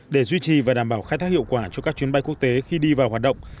để duy trì và đảm bảo khai thác hiệu quả cho các chuyến bay quốc tế khi đi vào hoạt động